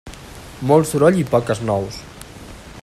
Molt soroll i poques nous.